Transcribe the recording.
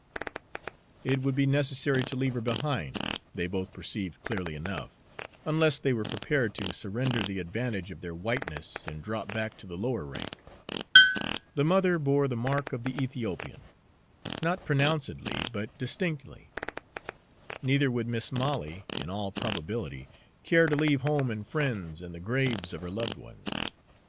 It would be necessary to leave her behind, they both perceived clearly enough, unless they were prepared to surrender the advantage of their whiteness and drop back to the lower rank. The mother bore the mark of the Ethiopian not pronouncedly, but distinctly; neither would Mis' Molly, in all probability, care to leave home and friends and the graves of her loved ones.